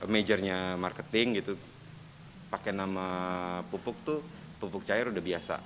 majornya marketing gitu pakai nama pupuk tuh pupuk cair udah biasa